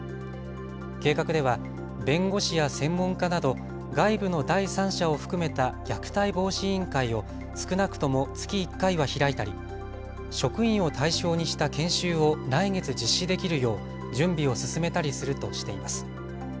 計画では弁護士や専門家など外部の第三者を含めた虐待防止委員会を少なくとも月１回は開いたり職員を対象にした研修を来月実施できるよう準備を進めたりするとしています。